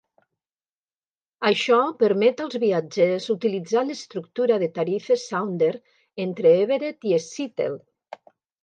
Això permet als viatgers utilitzar l'estructura de tarifes Sounder entre Everett i Seattle.